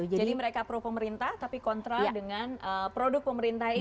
jadi mereka pro pemerintah tapi kontra dengan produk pemerintah ini